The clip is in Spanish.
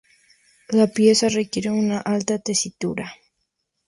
La pieza requiere una alta tesitura.